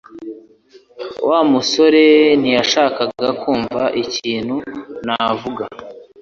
Wa musore ntiyashakaga kumva ikintu navuga